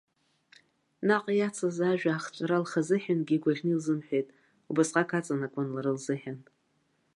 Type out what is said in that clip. Наҟ иацыз ажәа ахҵәара лхазыҳәангьы игәаӷьны илзымҳәеит, убасҟак аҵанакуан лара лзыҳәан.